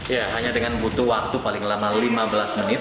ya hanya dengan butuh waktu paling lama lima belas menit